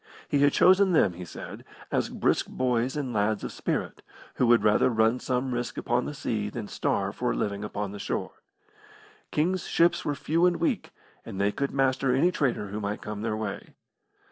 He had chosen them, he said, as brisk boys and lads of spirit, who would rather run some risk upon the sea than starve for a living upon the shore. King's ships were few and weak, and they could master any trader who might come their way.